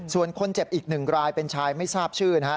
ส่วนคนเจ็บอีก๑รายเป็นชายไม่ทราบชื่อนะฮะ